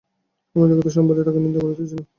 আমি জগতে সম্প্রদায় থাকার নিন্দা করিতেছি না।